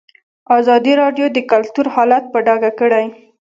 ازادي راډیو د کلتور حالت په ډاګه کړی.